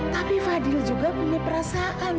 tapi fadil juga punya perasaan